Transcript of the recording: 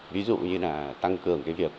ví dụ như là tăng cường cái việc